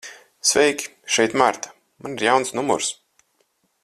Sveiki, šeit Marta. Man ir jauns numurs.